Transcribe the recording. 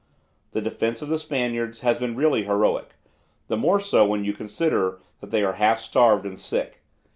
The defence of the Spaniards has been really heroic, the more so when you consider that they are half starved and sick.